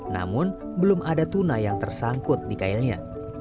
namun belum ada tuna yang tersangkut di kailnya